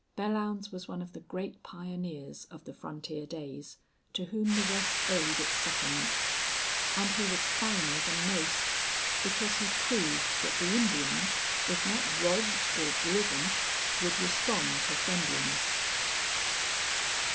Belllounds was one of the great pioneers of the frontier days to whom the West owed its settlement; and he was finer than most, because he proved that the Indians, if not robbed or driven, would respond to friendliness.